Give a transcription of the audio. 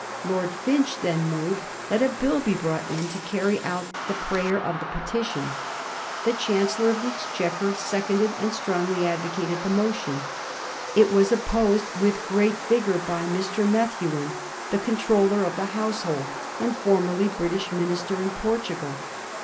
Lord Finch then moved that a bill be brought in to carry out the prayer of the petition. The Chancellor of the Exchequer seconded and strongly advocated the motion. It was opposed with great vigour by Mr. Methuen, the Controller of the Household, and formerly British Minister in Portugal.